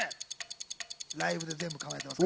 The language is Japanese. ライブで全部できます。